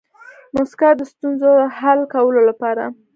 موسکا د ستونزو د حل کولو لپاره